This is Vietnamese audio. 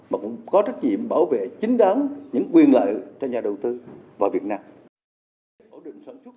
mà cũng có trách nhiệm bảo vệ chính đáng những quyền lợi cho nhà đầu tư vào việt nam